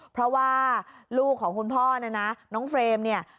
เพราะว่าลูกของคุณพ่อเนี่ยนะน้องเฟรมเนี่ย